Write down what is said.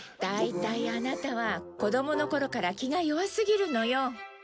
大体アナタは子供の頃から気が弱すぎるのよ。